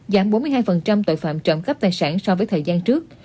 giảm bốn mươi hai tội phạm trộm cắp tài sản so với thời gian trước